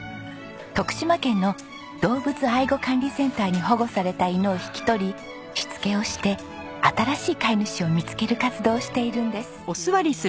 徳島県の動物愛護管理センターに保護された犬を引き取りしつけをして新しい飼い主を見つける活動をしているんです。